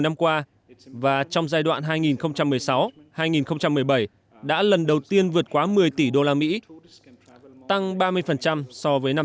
năm qua và trong giai đoạn hai nghìn một mươi sáu hai nghìn một mươi bảy đã lần đầu tiên vượt quá một mươi tỷ đô la mỹ tăng ba mươi so với năm